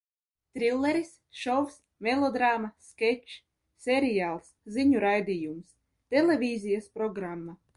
Trilleris, šovs, melodrāma, skečs, seriāls, ziņu raidījums. Televīzijas programma.